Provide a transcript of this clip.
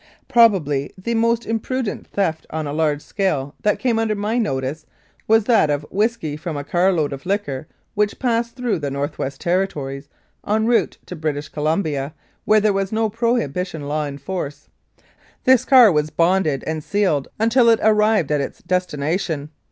Probably the most impudent theft 40 1886 88. Regina on a large scale that came under my notice was that of whisky from a car load of liquor which passed through the North West Territories en route to British Columbia, where there was no prohibition law in force. This car was bonded and sealed until it arrived at its destination.